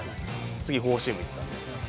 次、フォーシームいったんです。